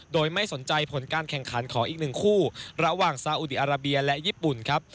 โดยไม่สนใจผลการแข่งขันของอีกหนึ่งคู่ระหว่างซาอุดีอาราเบียและญี่ปุ่นครับ